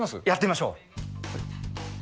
やってみましょう。